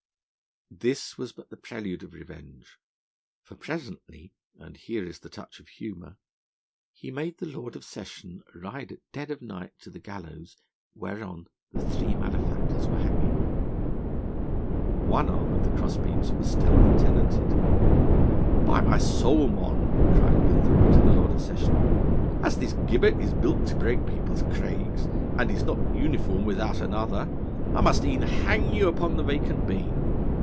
This was but the prelude of revenge, for presently (and here is the touch of humour) he made the Lord of Session ride at dead of night to the gallows, whereon the three malefactors were hanging. One arm of the crossbeams was still untenanted. 'By my soul, mon,' cried Gilderoy to the Lord of Session, 'as this gibbet is built to break people's craigs, and is not uniform without another, I must e'en hang you upon the vacant beam.'